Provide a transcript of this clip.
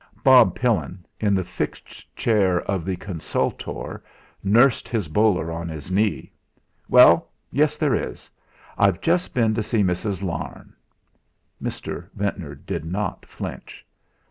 Bob Pillin, in the fixed chair of the consultor, nursed his bowler on his knee. "Well, yes, there is. I've just been to see Mrs. Larne." Mr. Ventnor did not flinch.